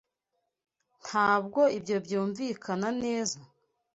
Ntabwo ibyo byumvikana neza?